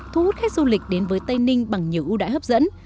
thu hút khách du lịch đến với tây ninh bằng nhiều ưu đãi hấp dẫn